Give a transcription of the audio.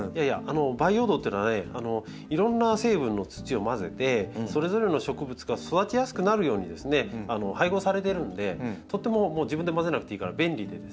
培養土というのはねいろんな成分の土を混ぜてそれぞれの植物が育ちやすくなるようにですね配合されてるのでとっても自分で混ぜなくていいから便利なんですね。